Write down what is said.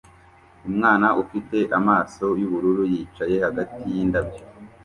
Umwana ufite amaso yubururu yicaye hagati yindabyo